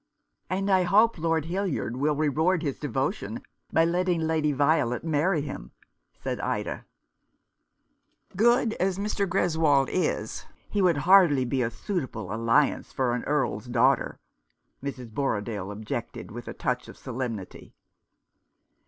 "And I hope Lord Hildyard will reward his devotion by letting Lady Violet marry him," said Ida. "Good as Mr. Greswold is, he would hardly be a suitable alliance for an Earl's daughter," Mrs. Borrodaile objected, with a touch of solemnity.